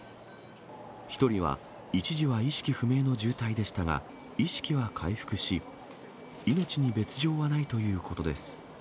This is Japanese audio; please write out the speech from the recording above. １人は一時は意識不明の重体でしたが、意識は回復し、命に別状はないということです。